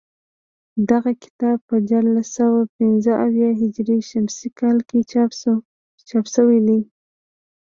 دغه کتاب په دیارلس سوه پنځه اویا هجري شمسي کال کې چاپ شوی دی